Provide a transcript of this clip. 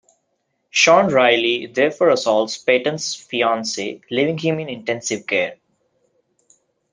Sean Riley therefore assaults Peyton's fiance, leaving him in intensive care.